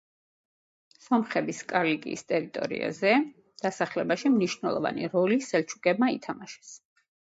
სომხების კილიკიის ტერიტორიაზე დასახლებაში მნიშვნელოვანი როლი სელჩუკებმა ითამაშეს.